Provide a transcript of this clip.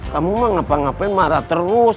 kamu mau ngapa ngapain marah terus